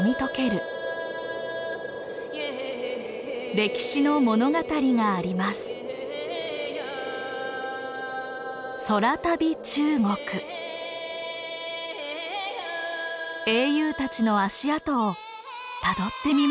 英雄たちの足跡をたどってみましょう。